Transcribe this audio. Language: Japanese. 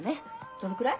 どのくらい？